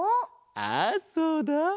ああそうだ。